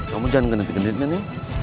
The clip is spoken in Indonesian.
kamu jangan genit genitnya nih